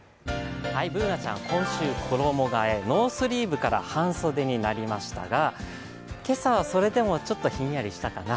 Ｂｏｏｎａちゃん、今週衣がえ、ノースリーブから半袖になりましたが、今朝はそれでもちょっとヒンヤリしたかな。